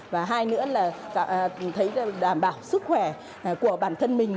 và hai nữa là thấy đảm bảo sức khỏe của bản thân mình